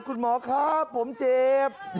คุณหมอครับผมเจ็บ